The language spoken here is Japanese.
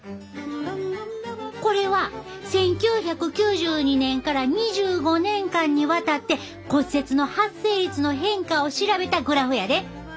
これは１９９２年から２５年間にわたって骨折の発生率の変化を調べたグラフやで。